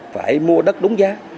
phải mua đất đúng giá